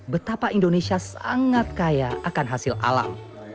betapa indonesia sangat kaya akan hasil alam